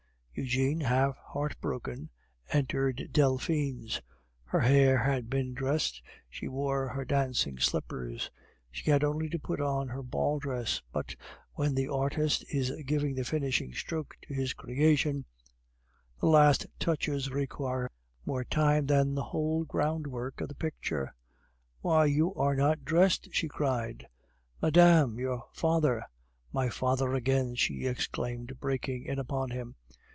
Eugene, half heartbroken, entered Delphine's. Her hair had been dressed; she wore her dancing slippers; she had only to put on her ball dress; but when the artist is giving the finishing stroke to his creation, the last touches require more time than the whole groundwork of the picture. "Why, you are not dressed!" she cried. "Madame, your father " "My father again!" she exclaimed, breaking in upon him.